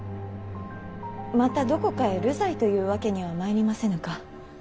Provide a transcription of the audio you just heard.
またどこかへ流罪というわけにはまいりませぬか。